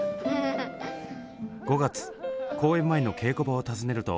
５月公演前の稽古場を訪ねると。